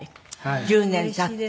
１０年経って。